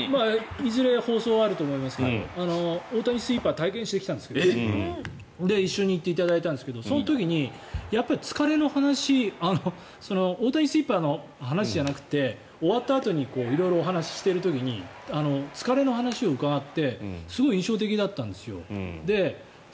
いずれ放送があると思いますが大谷スイーパーを体験してきたんですけど一緒に行っていただいたんですがその時に、やっぱり疲れの話大谷スイーパーの話じゃなくて終わったあとに色々お話ししている時に疲れの話を伺ってすごい印象的だったんですよ。